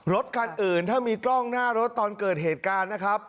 รถคันอื่นถ้ามีกล้องหน้ารถตอนเกิดเหตุการณ์นะครับ